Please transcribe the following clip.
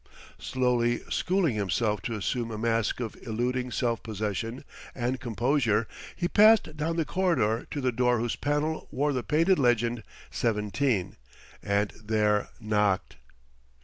Slowly schooling himself to assume a masque of illuding self possession and composure, he passed down the corridor to the door whose panels wore the painted legend, 17; and there knocked.